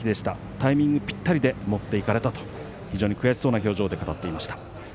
タイミングぴったりで持っていかれたと非常に悔しそうな表情で語っていました。